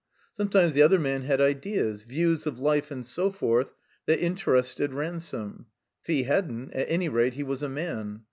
Sometimes the other man had ideas, views of life and so forth, that interested Ransome; if he hadn't, at any rate he was a man.